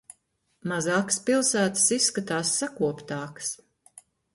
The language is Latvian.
Mazākas pilsētas izskatās sakoptākas.